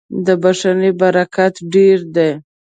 • د بښنې برکت ډېر دی.